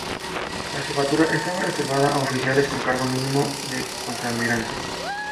La Jefatura estaba reservada a oficiales con cargo mínimo de Contraalmirante.